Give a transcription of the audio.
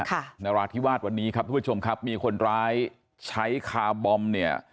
นราธิวาสวันนี้ครับทุกผู้ชมครับมีคนร้ายใช้คาร์บอมเนี่ย